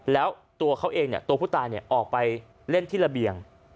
แล้วตัวเขาเองตัวผู้ตายออกไปเล่นที่ระเบียง